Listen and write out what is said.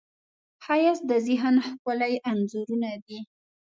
ښایست د ذهن ښکلي انځورونه دي